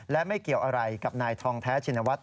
และไม่เกี่ยวอะไรกับนายทองแท้ชินวัฒน